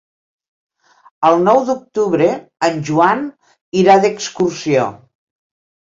El nou d'octubre en Joan irà d'excursió.